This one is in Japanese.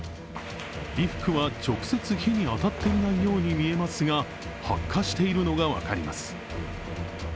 衣服は直接火に当たっていないように見えますが発火しているのが分かります。